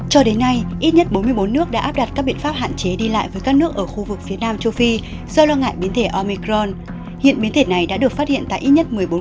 hãy đăng ký kênh để ủng hộ kênh của chúng mình nhé